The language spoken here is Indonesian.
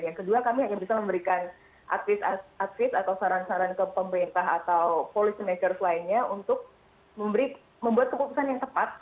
yang kedua kami hanya bisa memberikan atlet atlet atau saran saran ke pemerintah atau policy natures lainnya untuk membuat keputusan yang tepat